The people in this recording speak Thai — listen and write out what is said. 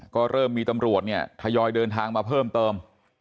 ก็เริ่มมีตำรวจเนี่ยทยอยเดินทางมาเพิ่มเติม